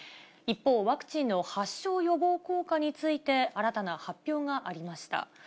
一方、ワクチンの発症予防効果について、新たな発表がありました。